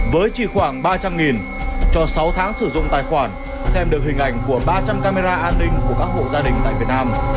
với chỉ khoảng ba trăm linh cho sáu tháng sử dụng tài khoản xem được hình ảnh của ba trăm linh camera an ninh của các hộ gia đình tại việt nam